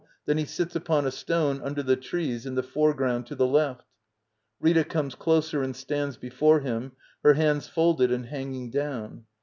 Then he sits upon a stone under the trees in the foreground to the left.] / JV Rita. [G)mes closer and stands before him, her hands folded and hanging down.